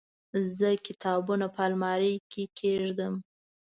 زه کتابونه په المارۍ کې کيږدم.